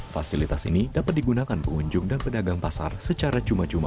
fasilitas ini dapat digunakan pengunjung dan pedagang pasar secara cuma cuma